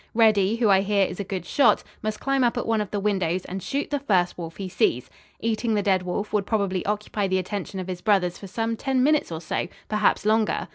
"Reddy, who, I hear, is a good shot, must climb up at one of the windows and shoot the first wolf he sees. Eating the dead wolf would probably occupy the attention of his brothers for some ten minutes or so perhaps longer.